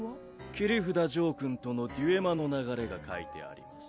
切札ジョーくんとのデュエマの流れが書いてあります。